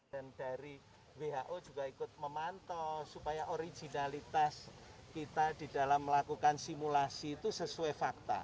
dan dari who juga ikut memantau supaya originalitas kita di dalam melakukan simulasi itu sesuai fakta